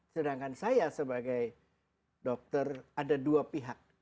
sedangkan saya sebagai dokter ada dua pihak